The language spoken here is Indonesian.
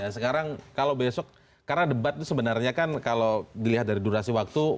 sekarang kalau besok karena debat itu sebenarnya kan kalau dilihat dari durasi waktu